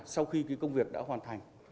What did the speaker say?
sau khi cái công việc đã hoàn thành